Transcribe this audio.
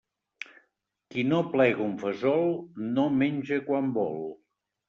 Qui no plega un fesol no menja quan vol.